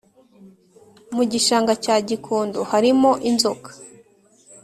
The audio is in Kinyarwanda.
mu Gishanga cya Gikondo harimo inzoka